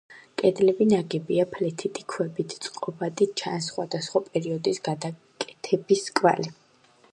კედლები ნაგებია ფლეთილი ქვებით, წყობაში ჩანს სხვადასხვა პერიოდის გადაკეთების კვალი.